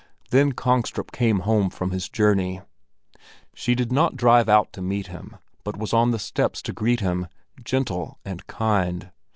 Then Kongstrup came home from his journey. She did not drive out to meet him, but was on the steps to greet him, gentle and kind.